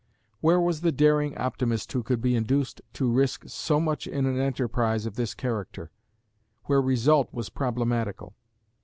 Where was the daring optimist who could be induced to risk so much in an enterprise of this character, where result was problematical.